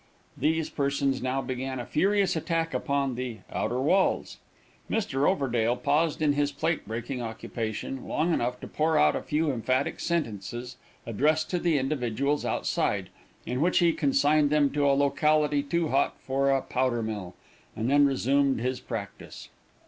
These persons now began a furious attack upon the "outer walls." Mr. Overdale paused in his plate breaking occupation, long enough to pour out a few emphatic sentences, addressed to the individuals outside, in which he consigned them to a locality too hot for a powder mill, and then resumed his practice.